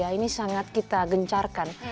jadi kita benar benar kita gencarkan